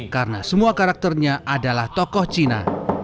karena semua karakternya adalah tokoh cina